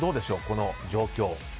この状況。